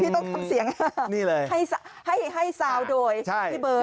พี่ต้องทำเสียงนี่เลยให้ซาวน์โดยพี่เบิร์ท